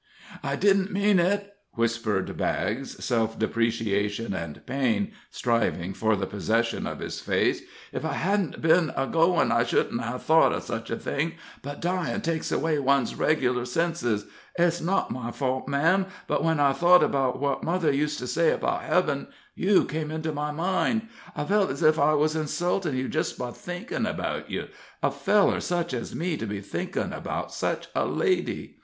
"I didn't mean it," whispered Baggs, self depreciation and pain striving for the possession of his face. "If I hadn't have been a goin', I shouldn't have thought of such a thing, but dyin' takes away one's reg'lar senses. It's not my fault, ma'am, but when I thought about what mother used to say about heaven, you came into my mind. I felt as if I was insultin' you just by thinkin' about you a feller such as me to be thinking about such a lady.